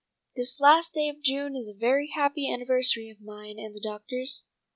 This last day of June is a very happy anniversary of mine and the doctor's.